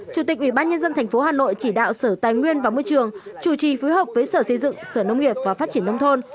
chủ tịch ủy ban nhân dân tp hà nội chỉ đạo sở tài nguyên và môi trường chủ trì phối hợp với sở xây dựng sở nông nghiệp và phát triển nông thôn